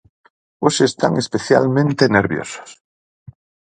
¡Hoxe están especialmente nerviosos!